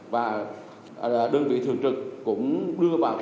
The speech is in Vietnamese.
và đơn vị thường trực cũng đưa vào